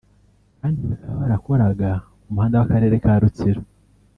kandi bakaba barakoraga umuhanda w’akarere ka Rutsiro